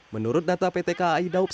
menurut data pt kai daupsa